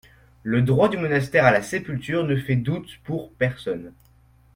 Le droit du monastère à la sépulture ne fait doute pour personne.